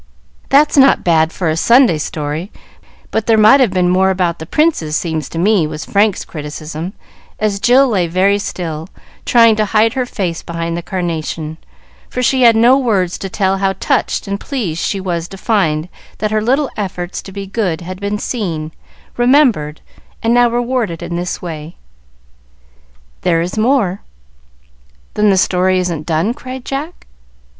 "That's not bad for a Sunday story, but there might have been more about the princes, seems to me," was Frank's criticism, as Jill lay very still, trying to hide her face behind the carnation, for she had no words to tell how touched and pleased she was to find that her little efforts to be good had been seen, remembered, and now rewarded in this way. "There is more." "Then the story isn't done?" cried Jack.